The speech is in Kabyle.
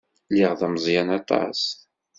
Lliɣ d ameẓyan aṭas.